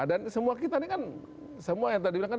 dan semua kita ini kan semua yang tadi bilang kan